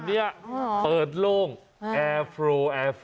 แบบนี้คือแบบนี้คือแบบนี้คือแบบนี้คือ